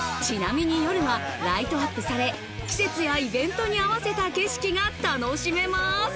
ちなみに夜はライトアップされ、季節やイベントに合わせた景色が楽しめます。